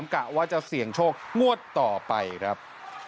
กะว่าจะเสี่ยงโชคงวดต่อไปครับ